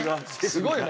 すごいね。